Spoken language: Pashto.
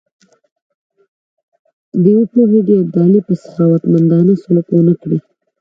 دی پوهېدی ابدالي به سخاوتمندانه سلوک ونه کړي.